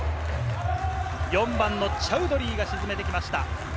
４番のチャウドリーが沈めてきました。